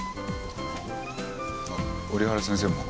あっ折原先生も。